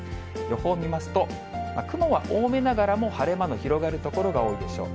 予報見ますと、雲は多めながらも晴れ間の広がる所が多いでしょう。